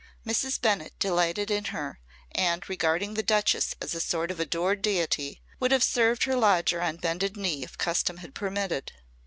Mrs. Bennett delighted in her and, regarding the Duchess as a sort of adored deity, would have served her lodger on bended knee if custom had permitted.